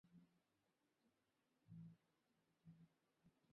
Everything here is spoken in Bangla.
সবাইকে স্বাগত জানাই।